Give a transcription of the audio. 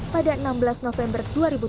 pada enam belas november dua ribu tujuh belas